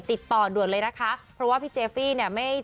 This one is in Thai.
ติดต่อด่วนเลยนะคะเพราะว่าพี่เจฟี่เนี่ยไม่